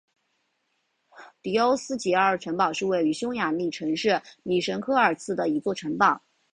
迪欧斯捷尔城堡是位于匈牙利城市米什科尔茨的一座城堡。